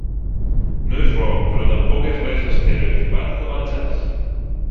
No és rock, però tampoc és res estereotipat com el jazz.